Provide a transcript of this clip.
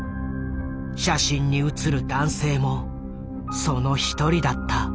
写真に写る男性もその一人だった。